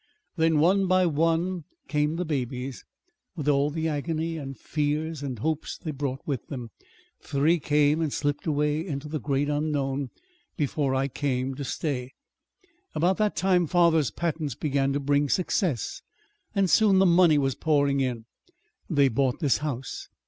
"Then, one by one, came the babies, with all the agony and fears and hopes they brought with them. Three came and slipped away into the great unknown before I came to stay. About that time father's patents began to bring success, and soon the money was pouring in. They bought this house.